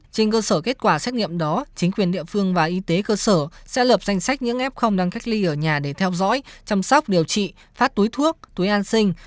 trên cơ sở kết quả xét nghiệm đó chính quyền địa phương và y tế cơ sở sẽ lập danh sách những f đang cách ly ở nhà để theo dõi chăm sóc điều trị phát túi thuốc túi an sinh